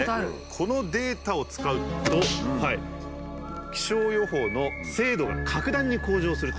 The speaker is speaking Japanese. このデータを使うと気象予報の精度が格段に向上するということなんです。